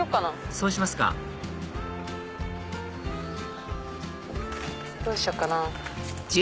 そうしますかどうしよっかな。